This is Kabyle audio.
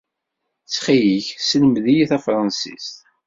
Ttxil-k, selmed-iyi tafransist.